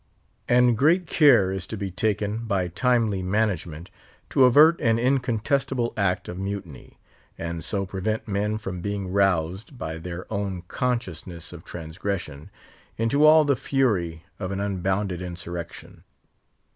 And great care is to be taken, by timely management, to avert an incontestable act of mutiny, and so prevent men from being roused, by their own consciousness of transgression, into all the fury of an unbounded insurrection.